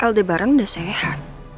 aldebaran udah sehat